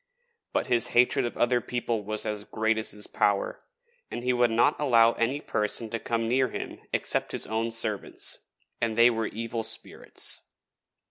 But his hatred of other people was as great as his power, and he would not allow any person to come near him except his own servants, and they were evil spirits.